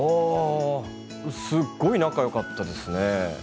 すごい仲がよかったですね。